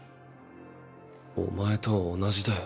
お前と同じだよ。